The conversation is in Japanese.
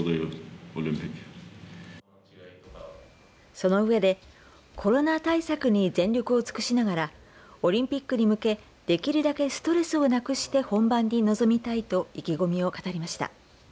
その上でコロナ対策に全力を尽くしながらオリンピックに向けできるだけストレスをなくして本番に臨みたいと意気込みを語りました。